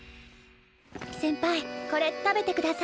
先輩これ食べてください。